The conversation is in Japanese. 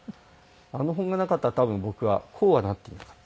あの本がなかったら多分僕はこうはなっていなかった。